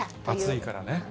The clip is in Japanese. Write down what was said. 暑いからね。